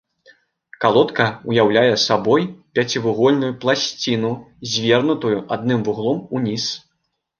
Калодка ўяўляе сабой пяцівугольную пласціну, звернутую адным вуглом уніз.